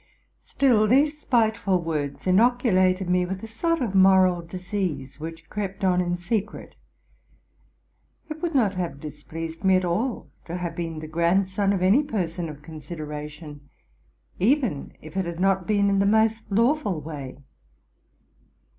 Still, these spiteful words inoculated me with a sort of moral disease, which crept on in secret. It would not have displeased me at all to have been the grandson of any per son of consideration, even if it had not been in the most lawful way.